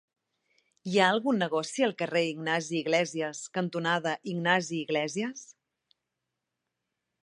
Hi ha algun negoci al carrer Ignasi Iglésias cantonada Ignasi Iglésias?